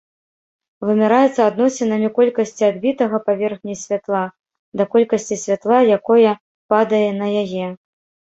Вымяраецца адносінамі колькасці адбітага паверхняй святла да колькасці святла, якое падае на яе.